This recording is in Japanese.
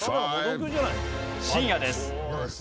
深夜です。